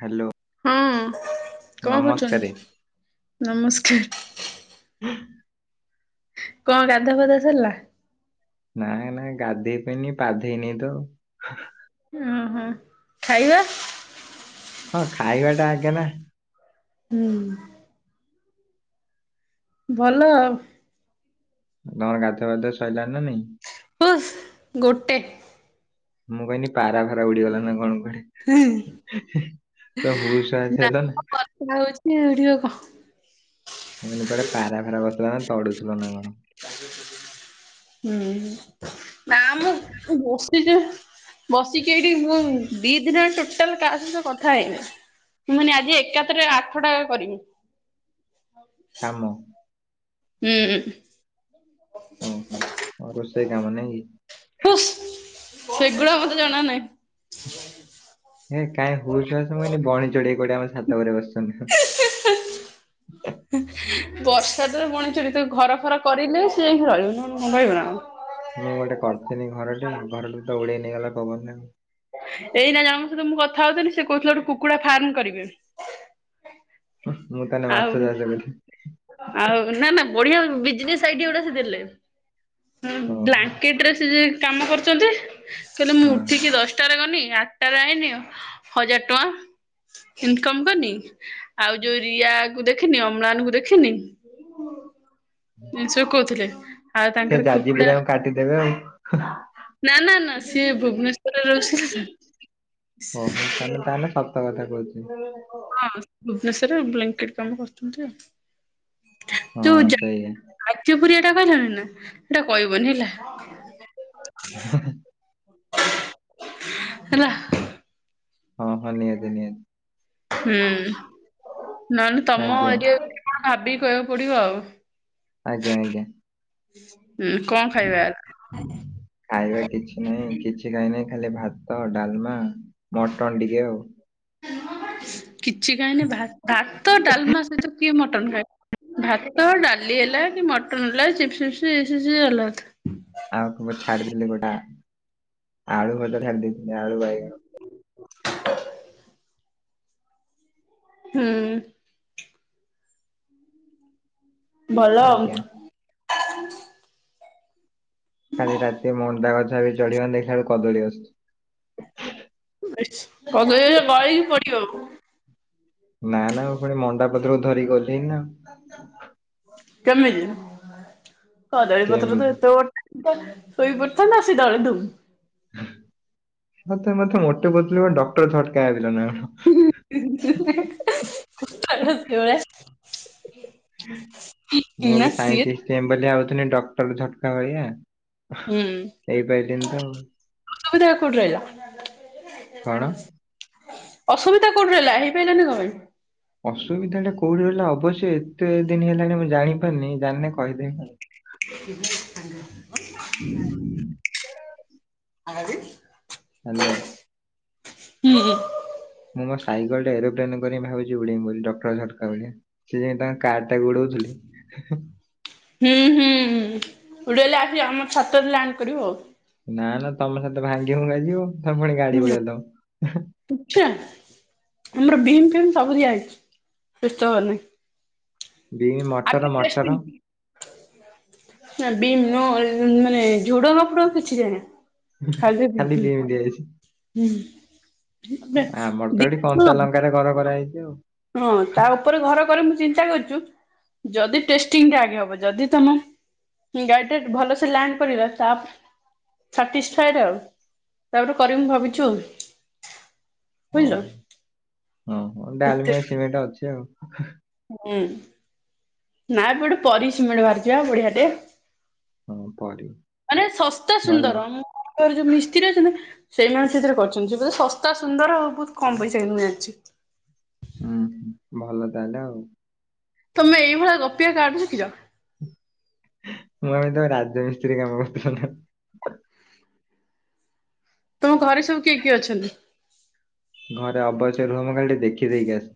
Hello. ହଁ କଣ କରୁଚନ୍ତି? ନମସ୍କାର। [inaudible] କଣ ଗାଧୁଆ ପାଧୁଆ ସରିଲା? ନାଇଁ ନାଇଁ ଗାଧେଇ ପନି ପାଧେଇନି ତ। ଓହୋ ଖାଇବା? ହଁ ଖାଇବା ଟା ଆଗେ ନା। ହୁଁ। ଭଲ ଆଉ। ତମର ଗାଧୁଆ ପାଧୁଆ ସରିଲାନଣି ନା ନାଇଁ? ହୁସ୍ ଗୋଟେ। ମୁଁ କହନି ପାରା ଫାରା ଉଡି ଗଲା ନା କଣ କୁଡେ? ତମେ ହୁସ ହାସ ହେଲ ନା। [unintelligible] ହଉଛି ଓଡିିବ କ? ମୁ କଇନି କୁଆଡେ ପାରା ଫାରା ବସିଥିଲା ନା କଣ ତଡୁଥିଲ ନା କଣ? ହୁଁ ନାମ ବସିଛି। ବସିକି ଏଇଠି ମୁଁ ଦି ଏ ଦିନ ଟୋଟାଲ କାହା ସହିତ କଥା ହେଇନି ମୁ କନି ଆଜି ଏକାତରେ ଆଠ ଟା କରିମି। କାମ। ହୁଁ। ଓହୋ ରୋଷେଇ କାମ ନାଁଇ କି? ହୁସ୍ ସେଗୁଡା ମତେ ଜଣା ନାହିଁ। ହେ କାହିଁ ହୁସହାସ୍ ହେଲେ ବଣି ଚଢେଇ ଗୁଡା ଆମ ଛାତ ଉପରେ ବସିଚନ୍ତି। ବର୍ଷା ତ ବଣି ଚଢ଼େଇ ତ ଘର ଫର କରିଲେ ସିଏ ଯାଇକି ରହିବ ନହେଲେ ରହିବ ନା କଣ? ମୁଁ ଗୋଟେ କରିଥିଲି ଘର ଟେ ଘରଟା କୁ ତ ଉଡେଇ ନେଇଗଲା ପବନରେ ଆଉ। ଏଇନା ଜଣଙ୍କ ସହିତ ମୁଁ କଥା ହଉଥିଲି ସେ କହୁଥିଲା ଗୋଟେ କୁକୁଡ଼ା ଫାର୍ମ କରିବେ। ମୁଁ ତାହେଲେ ଆଉ ମାଛ ଚାଷ କରିବି। ଆଉ ନା ନା ବଢିଆ ବିଜନେସ ଆଇଡିଆ ଗୋଟେ ସେ ଦେଲେ। ହଁ ଓହୋ ବ୍ଲାଙ୍କେଟ ସେ ଯେ କାମ କରୁଚନ୍ତି ସେ କହିଲେ ମୁଁ ହଁ ଉଠିକି ଦଶଟାରେ ଗଲି ଆ ତାର ଆଇନି ହଜାର ଟଙ୍କା ଇନକମ କରିନି ଆଉ ଯୋଉ ରିୟା କୁ ଦେଖିନି ଅମ୍ଳାନ କୁ ଦେଖିନି। ଆ ସେ କହୁଥିଲେ ଆଉ ସେ ତାଙ୍କର କୁକୁଡ଼ା ଯାଜପୁରିଆକୁ କାଟିଦେବେ ଆଉ। ନା ନା ନା ସିଏ ଭୁବନେଶ୍ଵରରେ ରହୁଛି। କାଲି ତାହେଲେ ସତ କଥା କହୁଚୁ। ହଁ ଭୁବନେଶ୍ଵର ରେ ବ୍ଲାଙ୍କେଟ କାମ କରୁଛନ୍ତି ଆଉ। ହଁ ସେଇଆ। ଆଚ୍ୟୁପୁରିଆଟା କହିଲାଣିି ନା ସେଟା କହିବନି ହେଲା। ହେଲା। ହଁ ହଁ ନିହାତି ନିହାତି। ହୁଁ ନନେ ତମ ଆଜ୍ଞା ଏରିଆ କଣ ଭାବିକି କହିବାକୁ ପଡିବ ଆଉ। ଆଜ୍ଞା ଆଜ୍ଞା। ହୁଁ କଣ ଖାଇବା ଖାଇବା। କିଛି ନାହିଁ କିଛି ଖାଇନି ଖାଲି ଭାତ ଡାଲମା। ମଟନ ଟିକେ ଆଉ କିଛି ଖାଇନି ଭା ଭାତ ଡାଲମା ସହିତ କିଏ ମଟନ ଖାଏ। ଭାତ ଡାଲି ହେଲା କି ମଟନ ହେଲା ଚିପ୍ସି ପିସ୍ପି ଏଲା ଆଉ ଛାଡିଥିଲି ଗୋଟା ଆଳୁ ଭଜା ଛାଡି ଦେଇଥିଲି ଆଳୁ ବାଇଗଣ। ହୁଁ। ଭଲ ଆଉ। ଆଜ୍ଞା। କାଲି ରାତି ମଣ୍ଡା ଗଛ ବି ଚଢିବନ ଦେଖିଲ ବେକୁ କଦଳୀ ଆସୁଛି। କଦଳୀ ଗଛ ଗଳିକି ପଡିବ। ନା ନା ମୁଁ ପୁଣି ମଣ୍ଡା ପତ୍ରକୁ ଧରିକି ଗଲିଣି ନା ଆଉ। ବ କେମିତି କଦଳୀ ପତ୍ର ତ କେମିତି ଏତେ ବଟେ। ଶୋଇ ପଡିଥାନ୍ତା ସେ ଡରେଇ ଦୋଉଛି। ମତେ ମତେ ଭର୍ତି କରିଥିଲେ ମୁଁ ଡ଼କ୍ଟର ଝଟକା ହେବି ନା କଣ। କଥା ଟା ସେଇ ଭଳିଆ। ମୁଁ ବି ସିଏ ସାଇଣ୍ଟିଷ୍ଟି ହେବି ବୋଲି ଭାବୁଥିଲି ଡକ୍ଟର ଝଟକା ଭଳିଆ। ହୁଁ। ହେଇପାରିଲିନି ତ ଆଉ। ଅସୁବିଧା କୋଉଠି ରହିଲା। କଣ? ଅସୁବିଧା କୋଉଠି ରହିଲା ହେଇପାରିଲନି କଣ ପାଇଁ। ଅସୁବିଧା ଟା କୋଉଠି ରହିଲା ଅବଶ୍ୟ ଏତେ ଦିନ ହେଲାଣି ମୁଁ ଜାଣିପାରିନି ଜାଣିନେ କହିଦେବି ଆଉ। ଆଜି। ହ୍ୟାଲୋ। ହୁଁ। ମୁଁ ମୋର ସାଇକେଲ ଟା ଏରୋପ୍ଲେନ କରିିକି ଭାବୁଛି ଉଡେଇ ବୋଲି ଡକ୍ଟର ଝଟକା ଭଳିଆ। ସେ ଯାଇ ତାଙ୍କ କାର୍ଡଟାକୁ ଗୋଡଉଥିଲି। ହୁଁ ହୁଁ ଉଡେଇଲେ ଆସିବ ଆମ ଛାତରେ ଲ୍ୟାଣ୍ଡ କରିବ ଆଉ। ନା ନା ତମ ଛାତ ଭାଙ୍ଗି ଫୁଙ୍ଗା ଯିବ ତମେ ପୁଣି ଗାଳି ଗୁଳା ଦବ। ଆଚ୍ଛା ଆମର ବିମ୍ ଫିମ୍ ସବୁ ଦିଆ ହେଇଛି ବ୍ୟସ୍ତହବାର ନାହିଁ। ବିମ୍ ଆ ମଟର ମଟର ପ୍ରଶିତି ନା ବିମ ନୁହଁ ମାନେ ଝୁଡଙ୍ଗ ଫୁଡଙ୍ଗ କିଛି ନା [unintelligible] ଯାଇଛି। ହୁଁ ଦେଖ ହଁ। ପାଖରେ ଘର କରାଯାଇଛି ଆଉ। ହଁ ତା ଉପରେ ଘର କରେ ମୁଁ ଚିନ୍ତା କରିଛୁ ଯଦି ଟେଷ୍ଟିଂଟା ଆଗେ ହବ ଯଦି ତମ ଗାଇଡ ଭଲସେ ଲ୍ୟାଣ୍ଡ କରିଲା ତା ସାଟିଶଫାଜଡ ଆଉ ତାପରେ କରିବି ଭାବିଛୁ ଆଉ। ବୁଝିଲ? ଓ ହୋ କେତେ ଡାଲମିଆ ସିମେଣ୍ଟ ଅଛି ଆଉ। ହୁଁ। ନା ଏଟେ ପରି ସିମେଣ୍ଟ ବାହାରିି ପା ବଢିଆଟେ। ହଁ ପରିବା ମାନେ ଶସ୍ତା ଭଲ ହୁଁ ସୁନ୍ଦରର ଯୋଉ ମିସ୍ତ୍ରୀ ଅଛନ୍ତି ନା ସେଇମାନେ ସେଥିରେ କରିଛନ୍ତି ବେ ଶସ୍ତା ସୁନ୍ଦର ଆଉ ବହୁତ କମ ପଇସା କିନ୍ତୁ ମୁଁ ଜାଣିଛି। ହୁଁ ହୁଁ ଭଲ ତାହେଲେ ଆଉ। ତମେ ଏଇ ଭଳିଆ ଗପିବା କାହାଠୁ ଶିଖିଛ? ମୁଁ ଆମେ ତ ରାଜ୍ୟ ମିସ୍ତ୍ରୀ କାମ କରୁଥିଲ ତମ ଘରେ ସବୁ କିଏ କିଏ ଅଛନ୍ତି? ଘରେ ଅବଶ୍ୟ ରୁହ ମୁଁ ଖାଲି ଟିକେ ଦେଖିଦେଇକି ଆସ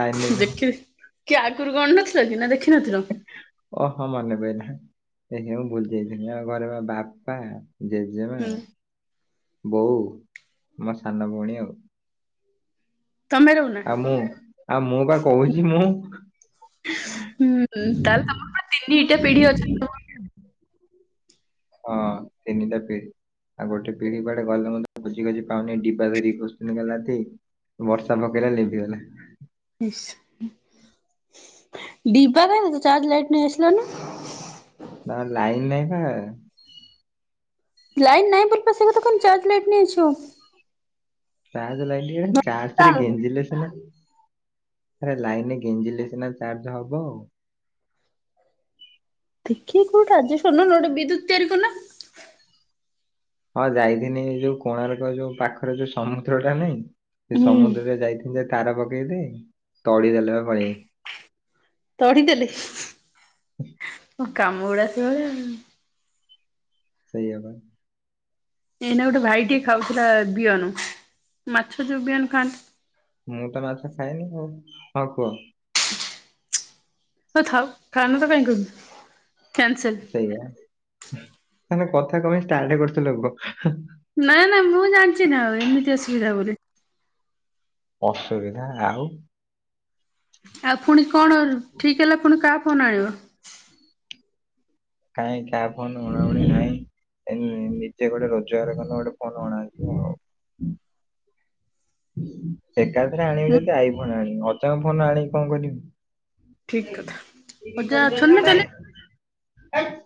ଲାଇନରେ ରୁହ। ଦେଖି କି ଆଗରୁ ଗଣ ନଥିଲ କି ନା ଦେଖିନଥିଲ? ଓହୋ ମନେ ପଇଲା ସେ ମୁଁ ଭୁଲି ଯାଇଥିଲି ଆମ ଘରେ ମୋ ବାପା। ଜେଜେମା, ହୁଁ ବୋଉ, ମୋ ସାନ ଭଉଣୀ ଆଉ। ତମେ ରହୁ ଆଉ ମୁଁ ଆଉ ମୁଁ ବା କହୁଛି ମୁଁ ହୁଁ ତାହେଲେ ତିନିଟା ପିଢି ଅଛନ୍ତି। ହଁ ତିନିଟା ପିଢି ଆଉ ଗୋଟେ ପିଢି କୁଆଡେ ଗଲେ ମୁଁ ବୁଝି ଡିିବା ଧରିକି ଖୋଜୁଥିଲି କାଲି ରାତି ବର୍ଷା ପକେଇଲା ଲିଭିିଗଲା। ଡିବା କାଇଁ ଚାର୍ଜ ଲାଇଟ ନେଇ ଆସିଲ ନି? ନା ଲାଇନ୍ ନାହିଁ ପା? ଲାଇଟ ନାଇଁ ବୋଲି ପା କଥା କଣ ଚାର୍ଜ ଲାଇଟ ନେଇଛ। ଚାର୍ଜ ଲାଇଟ ନୁହଁ ଚାର୍ଜ ରେ ନଡ଼ିଶାଲ ଗେଞଜିଲେ ସିନା? ଆରେ ଲାଇନ ରେ ଗେଞ୍ଜିଲେ ସନା ଚାର୍ଜ ହବ ଆଉ। ଦେଖି କୋଉଠା ରାଜ ଶୁନ ଗୋଟେ ବିଦ୍ୟୁ ତିଆରି କରୁ ନା? ହଁ ଯାଇଥିନି ଯୋଉ କୋଣାର୍କ ଯୋଉ ପାଖରେ ଯୋଉ ସମୁଦ୍ର ଟା ନାଇଁ ସେ ହୁଁ ସମୁଦ୍ରରେ ଯାଇ ତାର ପକେଇ ଦେ ତଳି ଦେଲେ ପା ପଳିଆଇଲି। ତଡିଦେଲେ? [inaudible] ହଁ କାମ ଗୁଡା ସେଇଭଳିଆ ଆଉ। ସେଇଆ ପା। ଏଇନା ଗୋଟେ ଭାଇ ଟେ ଖାଉଥିଲା ବିହନ ମାଛ ଯୋଉ ବିହନ ଖାଆନ୍ତି ମୁଁ ତ ମାଛ ଖାଏନି ଆଉ ହଁ କୁହ। ହଁ ଥାଉ ଖାଅନା ତ କାଇଁ କହିବି କ୍ୟାନସେଲ। ସେଇଆ ତାହେଲେ କଥା କଣ ପାଇଁ ଷ୍ଟାର୍ଟ କରୁଥିଲ କୁହ? ନାଇଁ ନା ମୁଁ ଜାଣିଛି ନା ଆଉ ଏମିତି ଅସୁବିଧା ବୋଲି। ଅସୁବିଧା ଆଉ ଆଉ ପୁଣି କଣ ଠିକ୍ ହେଲା ପୁଣି କାହା ଫୋନ୍ ଆଣିବ? କାଇଁ କା ଫୋନ ଉଣାଉଣି ନାହିଁ। ଏଇ ନିଜେ ଗୋଟେ ରୋଜଗାର କଲେ ଗୋଟେ ଫୋନ ଅଣାଯିବ ଆଉ। ଏକାଥରେ ଆଣିବି ହୁଁ ଯଦି ଆଇ ଫୋନ ଆଣିବି ଅଜାଙ୍କ ଫୋନ ଆଣିକି କଣ କରିବି। ଠିକ କଥା ଅଜା ଅଛନ୍ତି ତାହେଲେ। [unintelligible]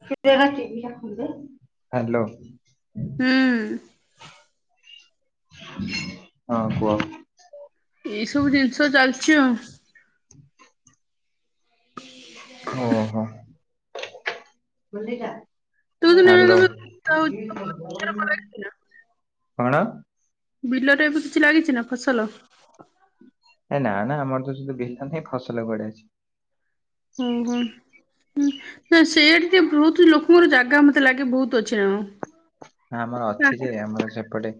[unintelligible] ହାଲୋ। ହୁଁ। ହଁ କୁହ? ଏଇ ସବୁ ଜିନିଷ ଚାଲିଛି ଆଉ। ଓହୋ ତୁ ହ୍ୟାଲୋ। ଦିନେ କେବେ ହୁଁ କଣ? ବିଲରେ ଏବେ କିଛି ଲାଗିଛି ନା ଫସଲ? ଏ ନା ନା ଆମର ତ ସେଠି ବିଲ ନାହିଁ ଫସଲ କୁଆଡେ ଆସିବ। ହୁଁ ହୁଁ। ହୁଁ ସେନ୍ତି ବହୁତ ଲୋକଙ୍କର ଜାଗା ମତେ ଲାଗେ ବହୁତ ଅଛି ନା। ହ ଆମର ଅଛି ଯେ କଣ? ଆମର ସେପଟେ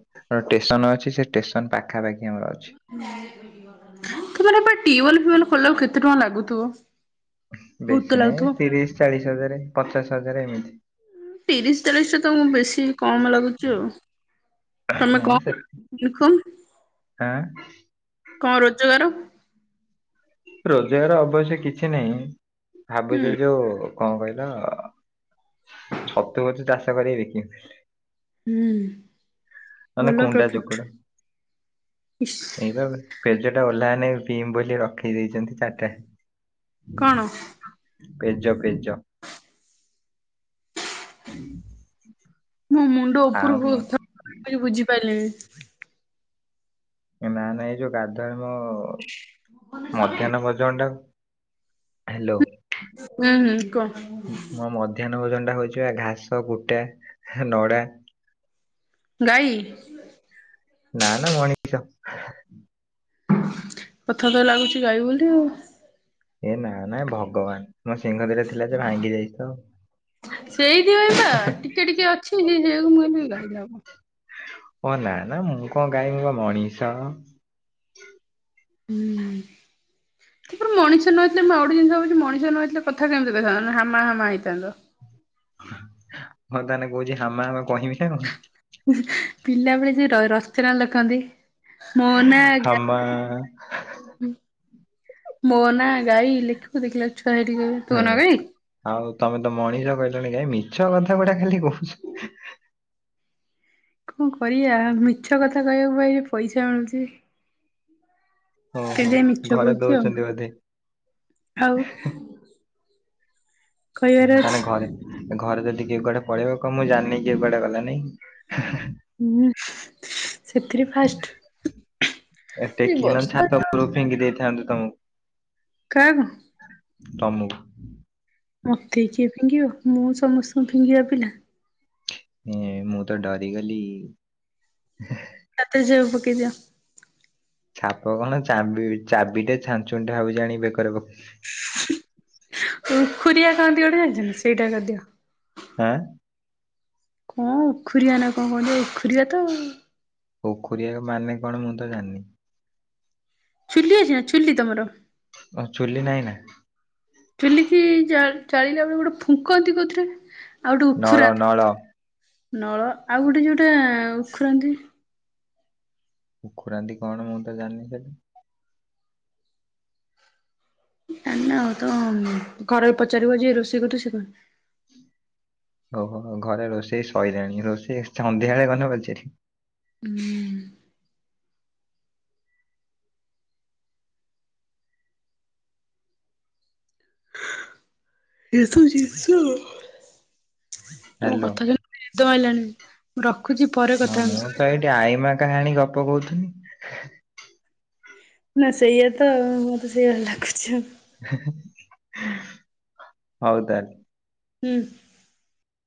ଷ୍ଟେସନ ଅଛି ସେ ଷ୍ଟେସନ ପାଖାପାଖି ଆମର ଅଛି। [unintelligible] ତମ ହେପଟେ ଟିଅଳ ଫିଅଲ ଖୋଲିଲା ବେଳକୁ କେତେଟଙ୍କା ଲାଗୁଥିବ? ବହୁତ ତ ବେଶୀ ନାହିଁ ଲାଗୁଥିବ। ତିରିଶି ଚାଳିଶି ହଜାର ପଚାଶ ହଜାର ଏମିତି। ତିରିଶି ଚାଳିଶି ଟା ତମକୁ ବେଶୀ କମ ଲାଗୁଛି ଆଉ। ତମେ କଣ ଦେଖ? ଆଁ କଣ ରୋଜଗାର? ରୋଜଗାର ଅବଶ୍ୟ କିଛି ନାହିଁ ହୁଁ ଭାବୁଛି ଯୋଉ କଣ କହିଲ ଛତୁ ପଛୁ ଚାଷ କରିବିନି। ହୁଁ। ମନେ ଭଲ କୁଣ୍ଡା ପ୍ରଫିଟ ଚୁକୁଡ଼ା। ଇସ୍ [unintelligible] ପେଜ ଟା ଓହ୍ଲା ନ ପିମ୍ ବୋଲି ରଖେଇ ଦେଇଛନ୍ତି ଚାରିଟା। କଣ? ପେଜ ପେଜ - ମୋ ମୁଣ୍ଡ ଉପରକୁ ବୁଝି ପାରିଲିନି। ନା ନା ଏଇ ଯୋଉ ଦାଦାଙ୍କ ମଧ୍ୟାହ୍ନ ଭୋଜନ ଟାକୁ। ହ୍ୟାଲୋ। ହୁଁ ହୁଁ କହ? ମୋ ମଧ୍ୟାହ୍ନ ଭୋଜନ ଟା ହଉଛି ଘାସ କୁଟା ନଡା ଗାଈ। ନା ନା ମଣି। [unintelligible] ପଥ ତ ଲାଗୁଛି ଗାଈ ବୋଲି ଆଉ। ଏ ନା ନା ଭଗବାନ ମୋ ସିଂଗ ଦିଟା ଥିଲା ଯେ ଭାଙ୍ଗି ଯାଇଛି ତ। ସେଇଥିପାଇଁ ପା ଟିକେ ଟିକେ ଅଛି [unintelligible] ମୁଁ କ ଗାଇଲା ହବ। ଓ ନା ନା ମୁଁ କଣ ଗାଈ ମୁଁ ପା ମଣିଷ। ହୁଁ। ମଣିଷ ନହେଇଥିଲେ ମୁଁ ଆଉୋ ଗୋଟେ ଭାବୁଛି ମଣିଷ ନଇଥିଲେ କଥା କେମିତି କହିଥାନ୍ତତା ନା ହାମା ହାମା ହେଇଥାନ୍ତତା ହଁ ତାହେଲେ କହୁଛି ହାମା ହାମେ କହିବି ନା କଣ। ପିଲାବେଳେ ସେ ରସନା ଲେଖନ୍ତି ମୋ ନା ହାମା ମୋ ନା ଗାଈ ଲେଖିବ ଦେଖିଲା ଛୁଆ ହେଠି କହିବେ ତୋ ହୁଁ ନା ଗାଇ। ଆଉ ତମେ ତ ମଣିଷ କହିଲଣି କାଇ ମିଛ କଥା ଗୁଟା ଖାଲି କହୁଛୁ। କଣ କରିବା ମିଛ କଥା କହିବାକୁ ପାଇଁ ପଇସା ମିଳୁଛି। ସେ ଓହୋ ଯାଇ ମିଛ ଘରେ କହୁଛି ଆଉ, ଦଉଛନ୍ତି ବୋଧେ ଆଉ କହିବାର ହଁ ଅଛି ତାହେଲେ ଘରେ ଘରେ ଯଦି କିଏ କୁଆଡେ ପଳେଇବ, କହିବ ମୁଁ ଜାଣିନି କିଏ କୁଆଡେ ଗଲାଣି? ହୁଁ ସେଥିରେ ଫାଷ୍ଟ ଏ ଟେକିକି ନହେଲେ ଛାତ ଓପରକୁ ଫିଙ୍ଗି ଦେଇଥାଆନ୍ତୁ ତମକୁ। କାହାକୁ? ତମକୁ। ମତେ କିଏ ଫିଙ୍ଗିବ, ମୁଁ ସମସ୍ତଙ୍କୁ ଫିଙ୍ଗିଆ ପିଲା। ଏଁ ମୁଁ ତ ଡରିଗଲି। ଛାତିରେ ଛିପ ପକେଇ ଦିଅ। ଛାପ କଣ ଚାବି ଚାବିଟେ, ଛାଞ୍ଚୁଣି ଟେ ଭାବୁଛି ଆଣିକି ବେକରେ ପକେଇ ପୋଖରିଆ କହନ୍ତି ଗୋଟେ ଜାଣିଛନ୍ତି, ସେଇଟା କରିଦିଅ। ଆଁ। କଣ ଉଖୁରିଆ ନା କଣ କହନ୍ତି, ଉଖୁରିଆ ତ ଆଉ। ଉଖୁରିଆ ମାନେ କଣ ମୁଁ ତ ଜାଣିନି? ଚୁଲି ଅଛି ନା ଚୁଲି ତମର ଓ ଚୁଲି ନାଇଁ ନା। ଚୁଲିକି ଜା ଜାଳିଲା ବେଳେ, ଗୋଟେ ଫୁଙ୍କନ୍ତି କୋଉଥିରେ? ଆଉ ଗୋଟେ ନଳ ଉଖୁରାନ୍ତି ନଳ କୋଉଥିରେ? ନଳ ଆଉ ଗୋଟେ ଯୋଉଟା ଉଖୁରାନ୍ତି। ଉଖୁରାନ୍ତି କଣ ମୁଁ ତ ଜାଣିନି ସେଇଟା? ନା ଆଉ ତ ଘରେ ପଚାରିବ, ଯିଏ ରୋଷେଇ କରୁଥିବେ ସେ କହି ଓ ହୋ ଘରେ ରୋଷେଇ ସଇଲାଣି, ରୋଷେଇ ସନ୍ଧ୍ୟାବେଳେ ଗଲେ ପଚାରିବି। ହୁଁ। ଯୀଶୁ ଯୀଶୁ ତମ ହ୍ୟାଲୋ କଥା ଶୁଣି ମତେ ନିଦ ମାଇଲାଣି। ମୁଁ ରଖୁଛି ପରେ ହଁ କଥା ମୁଁ ହଉଚି। ତ ଏଇଠି ଆଈମା କାହାଣୀ ଗପ କହୁଥିଲି। ନା ସେଇଆ ତ ଆଉ, ମତେ ସେଇଆ ଲାଗୁଛି। ହଉ ତାହେଲେ। ହୁଁ।